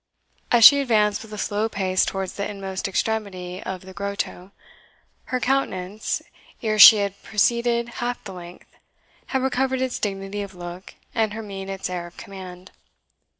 As she advanced with a slow pace towards the inmost extremity of the grotto, her countenance, ere she had proceeded half the length, had recovered its dignity of look, and her mien its air of command.